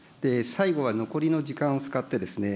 最後は残りの時間を使ってですね、